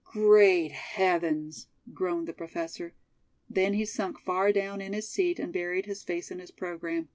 "Great heavens!" groaned the Professor. Then he sunk far down in his seat and buried his face in his program.